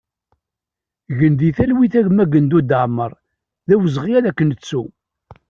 Gen di talwit a gma Gendud Amar, d awezɣi ad k-nettu!